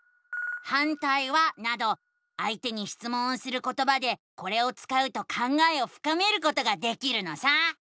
「反対は？」などあいてにしつもんをすることばでこれを使うと考えをふかめることができるのさ！